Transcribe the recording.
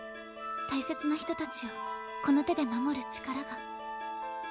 大切な人たちをこの手で守る力が。